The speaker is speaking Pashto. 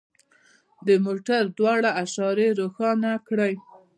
د موټر دواړه اشارې روښانه کړئ